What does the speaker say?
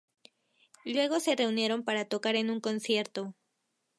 Luego, se reunieron para tocar en un concierto.